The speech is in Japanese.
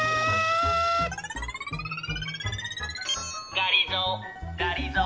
がりぞーがりぞー。